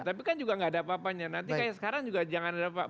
tapi kan juga nggak ada apa apanya nanti kayak sekarang juga jangan ada apa apa